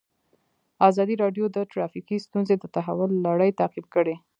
ازادي راډیو د ټرافیکي ستونزې د تحول لړۍ تعقیب کړې.